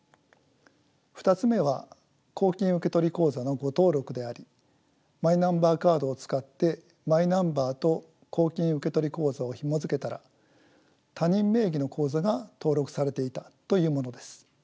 ２つ目は公金受取口座の誤登録でありマイナンバーカードを使ってマイナンバーと公金受取口座をひもづけたら他人名義の口座が登録されていたというものです。